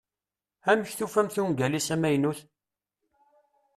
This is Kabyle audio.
Amek tufamt ungal-is amaynut?